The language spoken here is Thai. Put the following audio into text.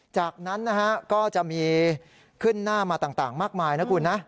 จากนั้นนะฮะก็จะมีขึ้นหน้ามาต่างมากมายนะคุณนะ